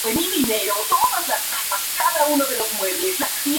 Las primeras reseñas escritas datan de la Reconquista.